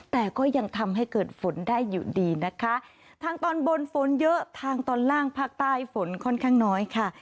แต่ก็ยังทำให้เกิดฝนได้อยู่ดีนะคะทางตอนบนฝนเยอะทางตอนล่างภาคใต้ฝนค่อนข้างน้อยค่ะ